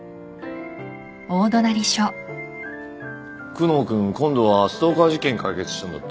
久能君今度はストーカー事件解決したんだって？